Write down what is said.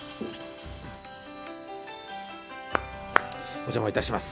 お邪魔いたします。